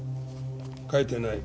書いてない。